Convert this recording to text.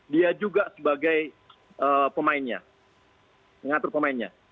dia juga sebagai pemainnya mengatur pemainnya